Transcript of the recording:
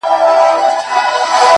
مړ مي مړوند دی؛